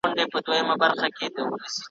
خو د زړه مطلب یې بل وي بل څه غواړي ,